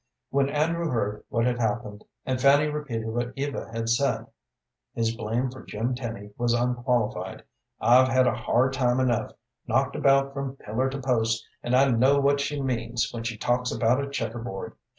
When Andrew heard what had happened, and Fanny repeated what Eva had said, his blame for Jim Tenny was unqualified. "I've had a hard time enough, knocked about from pillar to post, and I know what she means when she talks about a checker board.